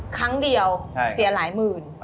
ครั้งเดียวเสียหลายหมื่น